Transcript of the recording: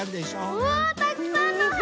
うわたくさんのはっぱ！